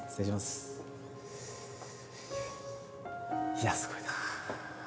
いやすごいな。